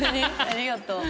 ありがとう。